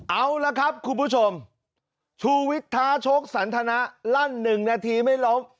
เอาละครับคุณผู้ชมชูวิทย์ท้าชกสันทนะลั่น๑นาทีไม่ล้ม